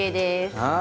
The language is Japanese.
はい。